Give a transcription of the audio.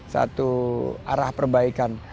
satu arah perbaikan